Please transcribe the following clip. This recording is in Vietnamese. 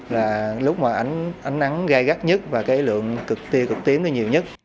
là lúc mà ánh ánh nắng gai gắt nhất và cái lượng cực tia cực tím nó nhiều nhất